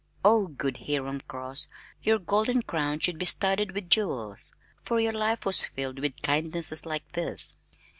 Oh, good Hiram Cross, your golden crown should be studded with jewels, for your life was filled with kindnesses like this!